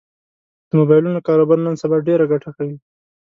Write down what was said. د مبایلونو کاروبار نن سبا ډېره ګټه کوي